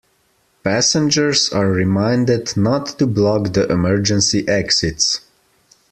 Passengers are reminded not to block the emergency exits.